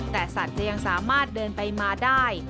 แต่สัตว์จะยังสามารถเดินไปมาได้